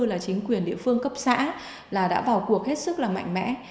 là chính quyền địa phương cấp xã đã vào cuộc hết sức mạnh mẽ